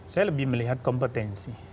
saya lebih melihat kompetensi